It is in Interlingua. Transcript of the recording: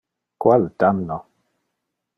Qual damno!